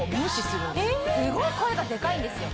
すごい声がデカいんですよ。